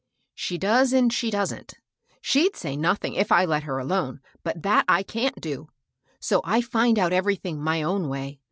" She does and she doesn't. She'd say nothing, if I let her alone ; but that I can't do. So I find out everything my own way.